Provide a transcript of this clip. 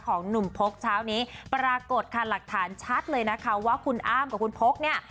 ของหนุ่มพกเช้านี้ปรากฏค่ะหลักฐานชัดเลยนะคะว่าคุณอ้ามกับคุณพกเนี่ย